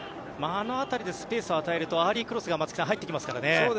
あの辺りでスペースを与えるとアーリークロスが入ってきますからね。